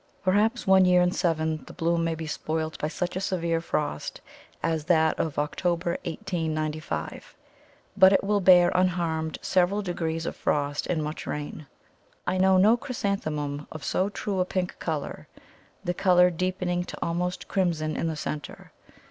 Perhaps one year in seven the bloom may be spoilt by such a severe frost as that of October 1895, but it will bear unharmed several degrees of frost and much rain. I know no Chrysanthemum of so true a pink colour, the colour deepening to almost crimson in the centre.